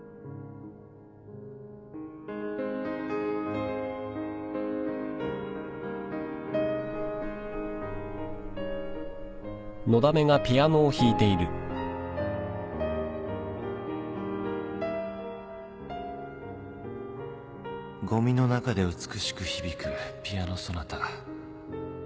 『悲愴』ゴミの中で美しく響くピアノ・ソナタ。